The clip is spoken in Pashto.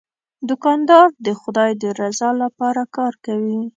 دوکاندار د خدای د رضا لپاره کار کوي.